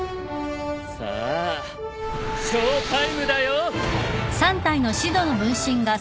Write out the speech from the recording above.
さあショータイムだよ！